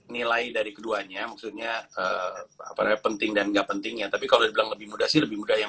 nilai dari keduanya maksudnya penting dan nggak pentingnya tapi kalau lebih mudah lebih mudah yang